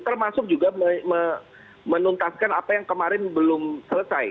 termasuk juga menuntaskan apa yang kemarin belum selesai